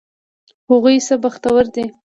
هغوی څه بختور دي!